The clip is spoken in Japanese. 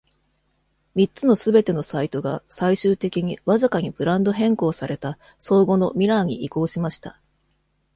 三つの全てのサイトが、最終的に、わずかにブランド変更された、相互のミラーに移行しました。